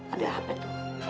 ada hp tuh